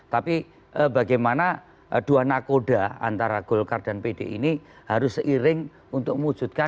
tapi bagaimana dua nakoda antara golkar dan pd ini harus seiring untuk mewujudkan